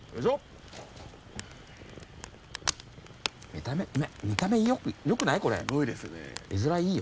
見た目よくない？